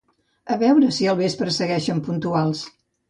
A veure si al vespre segueixen puntuals